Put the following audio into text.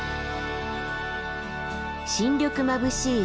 新緑まぶしい